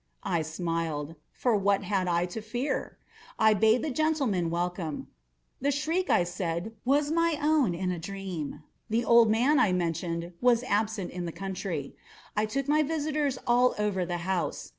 I smiled,—for what had I to fear? I bade the gentlemen welcome. The shriek, I said, was my own in a dream. The old man, I mentioned, was absent in the country. I took my visitors all over the house.